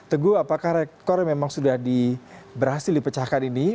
teguh apakah rekor yang memang sudah berhasil dipecahkan ini